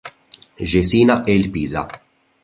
Jesina e il Pisa.